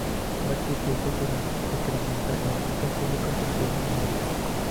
La actividad cultural se incrementa y aumenta el público interesado en el arte.